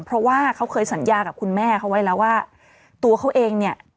เพราะว่าเขาเคยสัญญากับคุณแม่เขาไว้แล้วว่าตัวเขาเองเนี่ย